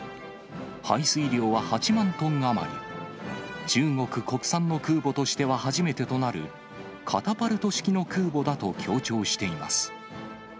排水量は８万トン余り、中国国産の空母としては初めてとなる、カタパルト式の空母だと強調しています。